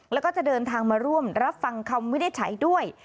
แล้วก็จะเดินทางมาร่วมรับฟังคำวินิจฉัยด้วย